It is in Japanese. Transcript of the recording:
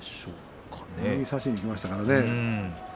右差しにいきましたからね。